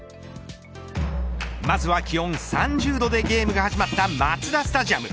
まずは気温３０度でゲームが始まったマツダスタジアム。